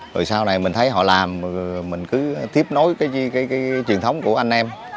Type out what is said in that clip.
rồi sau này mình thấy họ làm mình cứ tiếp nối cái truyền thống của anh em